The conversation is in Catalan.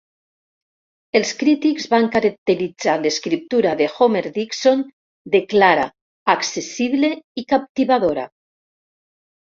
Els crítics van caracteritzar l'escriptura de Homer-Dixon de clara, accessible i captivadora.